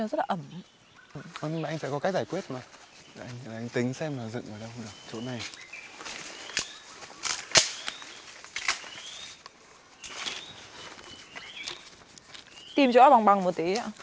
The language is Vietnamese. tìm chỗ bằng bằng một tí ạ